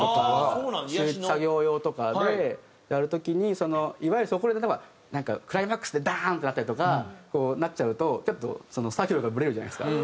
そういう作業用とかでやる時にいわゆるそこで例えばなんかクライマックスで「ダーン！」ってなったりとかなっちゃうとちょっと作業がブレるじゃないですか。